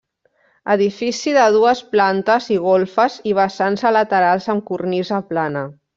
Edifici de dues plantes i golfes i vessants a laterals amb cornisa plana.